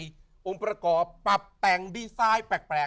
อุปกรณ์ปรากอบปรับแต่งดีไซน์แปลก